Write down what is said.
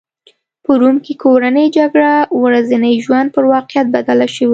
په روم کې کورنۍ جګړه ورځني ژوند پر واقعیت بدله شوې وه